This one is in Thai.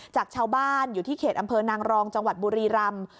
จากชาวบ้านอยู่ที่เขตอำเภอนางรองจังหวัดบุรีรำ